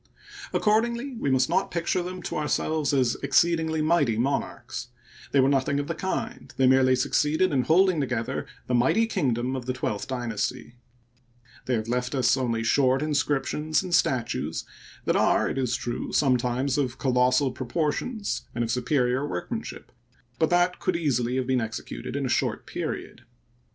Accordingly, we must not picture them to ourselves as exceedingly mighty monarcns. They were nothing of the kind; they merely succeeded in holding together the mighty kingdom of the twelfth dynasty. They have left us only short inscriptions and statues that are, it is true, sometimes of colossal proportions and of superior workmanship ; but that could easily have been executed in a short period.